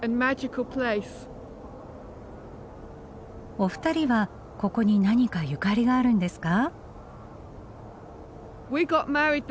お二人はここに何かゆかりがあるんですか？